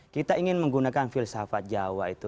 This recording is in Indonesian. kita ingin menggunakan filsafat jawa itu